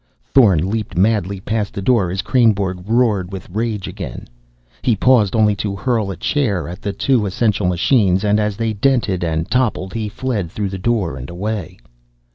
Thorn leaped madly past the door as Kreynborg roared with rage again. He paused only to hurl a chair at the two essential machines, and as they dented and toppled, he fled through the door and away.